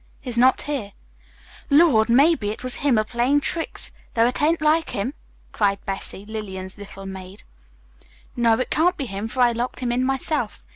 "He's not here. Lord! Maybe it was him a playing tricks, though it ain't like him," cried Bessy, Lillian's little maid. "No, it can't be him, for I locked him in myself.